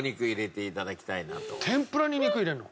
天ぷらに肉入れるの？